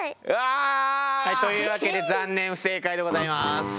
うわ。というわけで残念不正解でございます。